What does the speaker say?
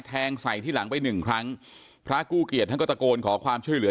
แทงใส่ที่หลังไปหนึ่งครั้งพระกู้เกียรติท่านก็ตะโกนขอความช่วยเหลือ